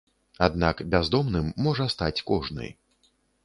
Аднак бяздомным можа стаць кожны.